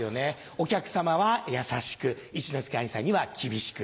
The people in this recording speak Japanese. お客さまは優しく一之輔兄さんには厳しく。